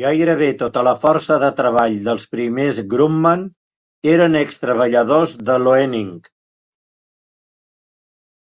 Gairebé tota la força de treball dels primers Grumman eren ex-treballadors de Loening.